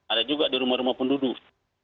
ada juga di rumah rumah penduduk